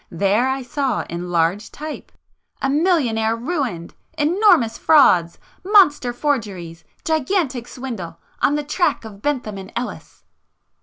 There I saw in large type—"A Millionaire Ruined! Enormous Frauds! Monster Forgeries! Gigantic Swindle! On the track of Bentham and Ellis!"